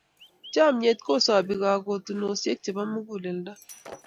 Chamnyet ko sopi kakotinosiek chebo muguleldo